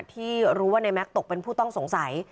ที่รู้ว่าในแก๊กตกเป็นผู้ต้องสงสัย